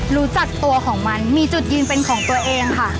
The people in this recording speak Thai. รู้จักตัวของมันมีจุดยืนเป็นของตัวเองค่ะ